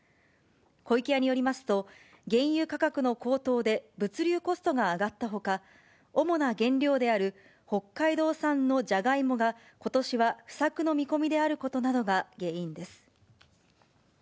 湖池屋によりますと、原油価格の高騰で物流コストが上がったほか、主な原料である北海道産のじゃがいもが、ことしは不作の見込みであることなどが原因です。